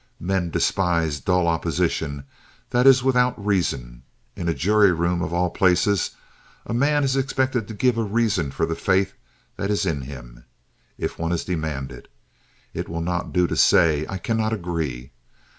Men despise dull opposition that is without reason. In a jury room, of all places, a man is expected to give a reason for the faith that is in him—if one is demanded. It will not do to say, "I cannot agree."